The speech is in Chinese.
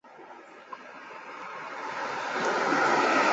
锰矿石主要分布于位于娄霞新村的洪家大山和竹峰村的尖顶山中。